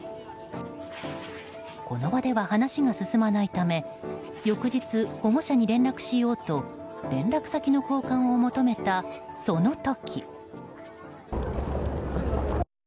この場では話が進まないため翌日、保護者に連絡しようと連絡先の交換を求めたその時。